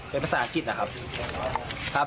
เป็นภาษาอังกฤษนะครับ